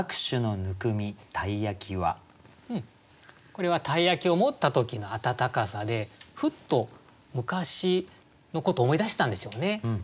これは鯛焼を持った時の温かさでふっと昔のことを思い出したんでしょうね。